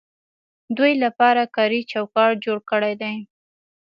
دوی لپاره کاري چوکاټ جوړ کړی دی.